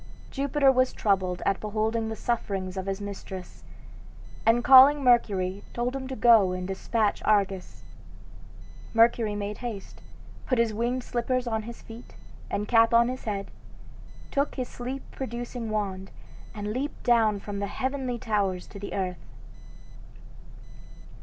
Jupiter was troubled at beholding the sufferings of his mistress, and calling Mercury told him to go and despatch Argus. Mercury made haste, put his winged slippers on his feet, and cap on his head, took his sleep producing wand, and leaped down from the heavenly towers to the earth.